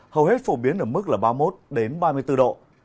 hầu hết phổ biến ở mức là ba mươi một ba mươi bốn độ